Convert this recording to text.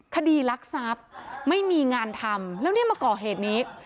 คดีลักษัพย์ไม่มีงานทำแล้วมาก่อเหตุนี้